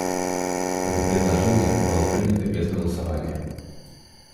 Это предложение было принято без голосования.